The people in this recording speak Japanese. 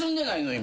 今。